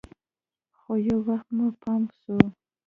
خو يو وخت مو پام سو.